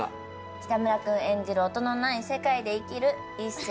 北村君演じる音のない世界で生きる一星と出会い。